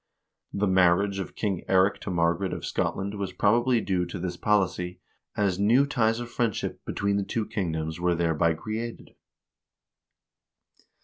The marriage of King Eirik to Mar garet of Scotland was probably due to this policy, as new ties of friendship between the two kingdoms wen thereby created.